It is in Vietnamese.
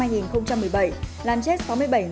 làm chết sáu mươi bảy người